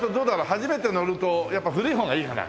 初めて乗るとやっぱ古い方がいいかな？